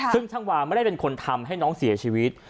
ซึ่งช่างวาไม่ได้เป็นคนทำให้น้องเสียชีวิต